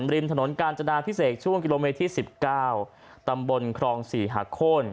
บริมถนนกาลจนาพิเศษช่วงกิโลเมตรที่สิบเก้าตำบลครองสี่หักโค้น